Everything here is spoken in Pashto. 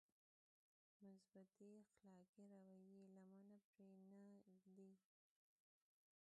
مثبتې اخلاقي رويې لمنه پرې نهږدي.